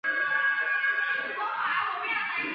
殿试登进士第二甲第三十九名。